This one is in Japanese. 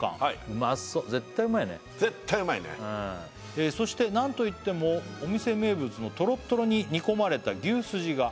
うまそう絶対うまいよね絶対うまいね「そして何といってもお店名物の」「とろっとろに煮込まれた牛すじが」